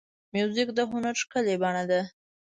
موزیک د هنر ښکلې بڼه ده.